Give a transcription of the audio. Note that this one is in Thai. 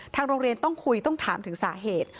โรงเรียนต้องคุยต้องถามถึงสาเหตุ